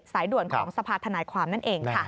๑๑๖๗สายด่วนของสัพธนาความนั้นเองค่ะ